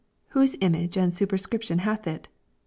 "Whose image and superscription hath it!